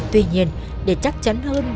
tuy nhiên để chắc chắn hơn